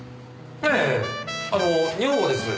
ええあの女房です。